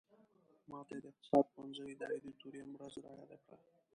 ماته یې د اقتصاد پوهنځي د ادیتوریم ورځ را یاده کړه.